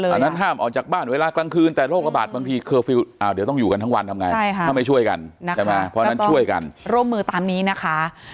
เพราะฉะนั้นห้ามออกจากบ้านเวลากลางคืนแต่โรคระบาดมันมีเคอร์ฟิลล์เดี๋ยวต้องอยู่กันทั้งวันทำไงไม่ช่วยกันใช่ไหมเพราะฉะนั้นช่วยกัน